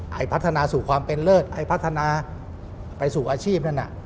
พัฒนาสู่ความเป็นเลิศไอ้พัฒนาไปสู่อาชีพนั้นน่ะ